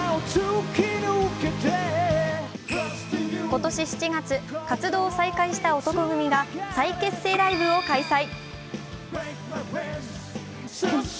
今年７月、活動を再開した男闘呼組が再結成ライブを開催。